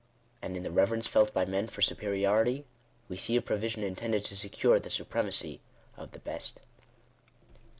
And in the reverence felt by men for superiority, we see a provision intended to secure the supremacy oflhe best.